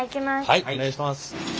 はいお願いします。